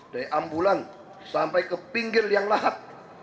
dari ambulan sampai ke pinggir yang lahap